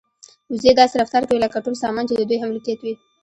وزې داسې رفتار کوي لکه ټول سامان چې د دوی ملکیت وي.